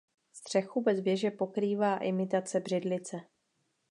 Střechu bez věže pokrývá imitace břidlice.